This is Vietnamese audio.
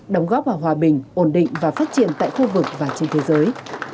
đóng góp vào hòa bình ổn định và phát triển tại khu vực và trên thế giới